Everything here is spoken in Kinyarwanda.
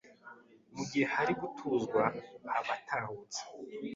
mu gihe hari gutuzwa abatahutse.